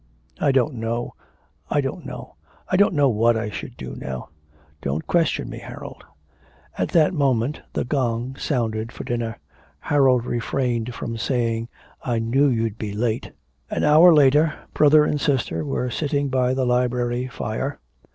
'I don't know, I don't know.... I don't know what I should do now. Don't question me, Harold.' At that moment the gong sounded for dinner. Harold refrained from saying 'I knew you'd be late.' An hour after, brother and sister were sitting by the library fire.